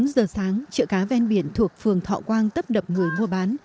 bốn giờ sáng chợ cá ven biển thuộc phường thọ quang tấp đập người mua bán